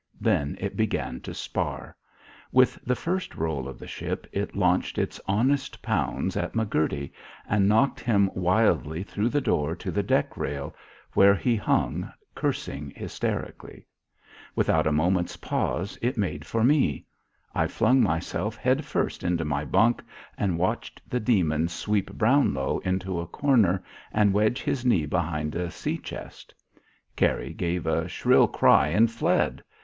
Then it began to spar. With the first roll of the ship, it launched its honest pounds at McCurdy and knocked him wildly through the door to the deck rail, where he hung cursing hysterically. Without a moment's pause, it made for me. I flung myself head first into my bunk and watched the demon sweep Brownlow into a corner and wedge his knee behind a sea chest. Kary gave a shrill cry and fled.